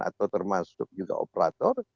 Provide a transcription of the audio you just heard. atau termasuk juga operator